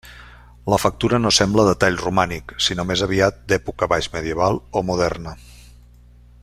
La factura no sembla de tall romànic, sinó més aviat d'època baix medieval o moderna.